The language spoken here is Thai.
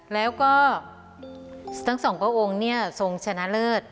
แล้วก็ทั้งสองพระองค์เนี่ยทรงชนะเลิศ